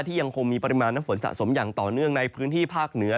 ยังคงมีปริมาณน้ำฝนสะสมอย่างต่อเนื่องในพื้นที่ภาคเหนือ